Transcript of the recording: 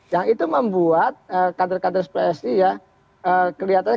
yang itu membuat kader kader psi ya kelihatannya